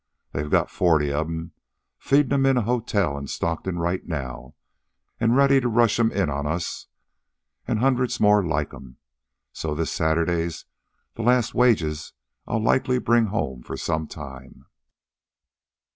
They got forty of 'em, feedin' 'em in a hotel in Stockton right now, an' ready to rush 'em in on us an' hundreds more like 'em. So this Saturday's the last wages I'll likely bring home for some time."